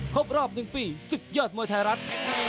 ครบรอบหนึ่งปีศึกยอดมวยไทยรัตน์